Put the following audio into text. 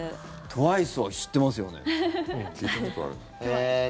ＴＷＩＣＥは知ってますよね。